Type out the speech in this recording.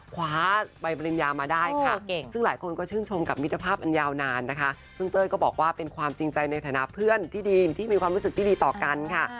คว้าใบปริญญามาได้ค่ะซึ่งหลายคนก็ชื่นชมกับมิตรภาพอันยาวนานนะคะซึ่งเต้ยก็บอกว่าเป็นความจริงใจในฐานะเพื่อนที่ดีที่มีความรู้สึกที่ดีต่อกันค่ะ